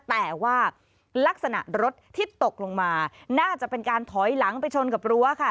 แต่ว่าลักษณะรถที่ตกลงมาน่าจะเป็นการถอยหลังไปชนกับรั้วค่ะ